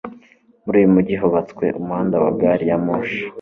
Muri uyu mujyi hubatswe umuhanda wa gari ya moshi.